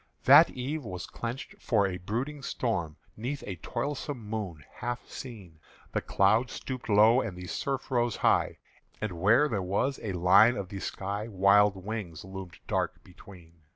That eve was clenched for a boding storm, 'Neath a toilsome moon, half seen; The cloud stooped low and the surf rose high; And where there was a line of the sky, Wild wings loomed dark between.